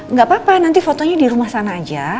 nggak apa apa nanti fotonya di rumah sana aja